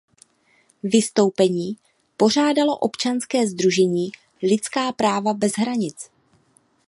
Vystoupení pořádalo občanské sdružení Lidská práva bez hranic.